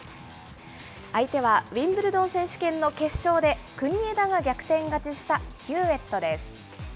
相手はウィンブルドン選手権の決勝で国枝が逆転勝ちしたヒューウェットです。